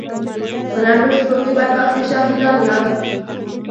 په لنډو شپو کې به تاسې شاهدان ياست.